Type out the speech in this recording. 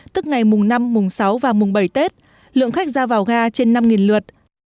tức ngày mùng năm mùng sáu và mùng bảy tết lượng khách ra vào ga trên năm lượt